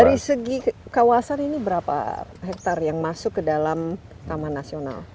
dari segi kawasan ini berapa hektare yang masuk ke dalam taman nasional